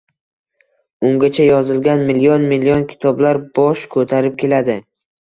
Ungacha yozilgan milyon-milyon kitoblar bosh koʻtarib keladi